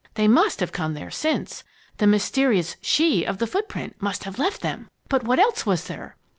They must have come there since. The mysterious 'she' of the footprint must have left them! But what else was there?"